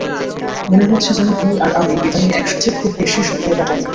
মনে হচ্ছে যেন তুমি আর আমি ইদানীং একসাথে খুব বেশি সময় কাটাইনি।